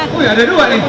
wuih ada dua nih